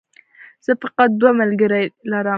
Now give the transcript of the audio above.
زه فقط دوه ملګري لرم